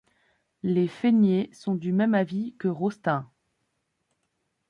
Les Fénié sont du même avis que Rostaing.